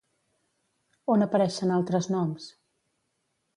On apareixen altres noms?